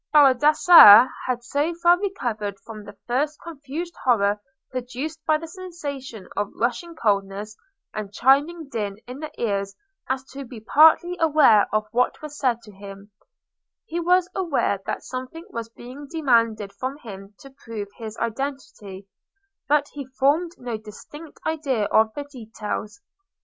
Baldassarre had so far recovered from the first confused horror produced by the sensation of rushing coldness and chiming din in the ears as to be partly aware of what was said to him: he was aware that something was being demanded from him to prove his identity, but he formed no distinct idea of the details.